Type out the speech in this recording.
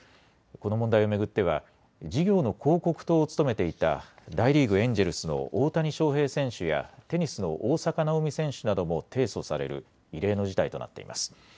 この問題を巡っては事業の広告塔を務めていた大リーグ、エンジェルスの大谷翔平選手やテニスの大坂なおみ選手なども提訴される異例の事態となっています。